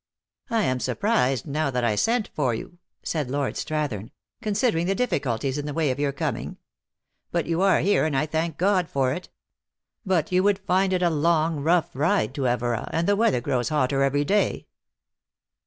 "I am surprised now that I sent for you," said Lord Strathern, " considering the difficulties in the way of your coming. But you are here, and I. thank God for it. But you would find it a long, rough ride to Evora, and the weather grows hotter every day."